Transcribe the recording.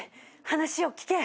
話を聞け」